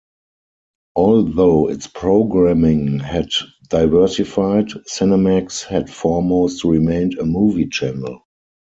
Although its programming had diversified, Cinemax had foremost remained a movie channel.